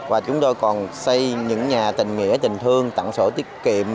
và chúng tôi còn xây những nhà tình nghĩa tình thương tặng sổ tiết kiệm